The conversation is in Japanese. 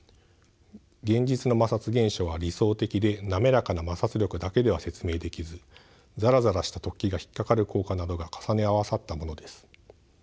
現実の摩擦現象は理想的で滑らかな摩擦力だけでは説明できずザラザラした突起が引っ掛かる効果などが重ね合わさったものです。